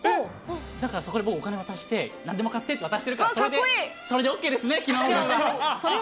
だからそこで僕、お金渡してなんでも買ってって渡してるから、それで、それでＯＫですね、きのうの分は。